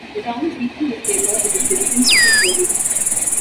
The town's weekly newspaper is the "Gibson City Courier".